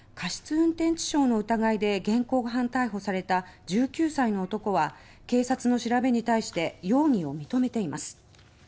運転致傷の疑いで現行犯逮捕された１９歳の男は警察の調べに対して容疑を認めています。